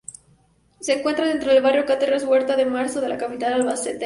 Se encuentra dentro del barrio Carretas-Huerta de Marzo de la capital albaceteña.